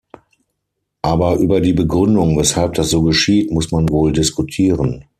Aber über die Begründung, weshalb das so geschieht, muss man wohl diskutieren.